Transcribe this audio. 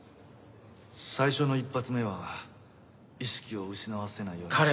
最初の１発目は意識を失わせないように。